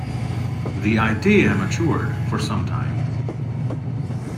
The idea matured for some time.